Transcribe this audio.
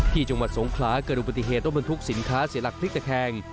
จังหวัดสงขลาเกิดอุบัติเหตุรถบรรทุกสินค้าเสียหลักพลิกตะแคง